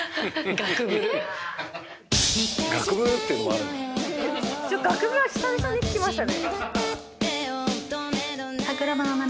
「ガクブル」は久々に聞きましたね。